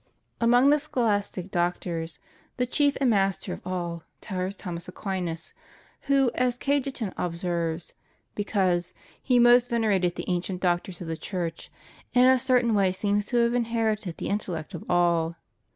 Among the scholastic doctors, the chief and master of all, towers Thomas Aquinas, who, as Cajetan observes, oecause "he most venerated the ancient doctors of the Church, in a certain way seems to have inherited the intellect of all."